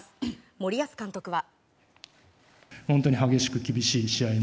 森保監督は。